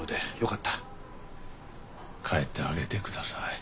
帰ってあげてください。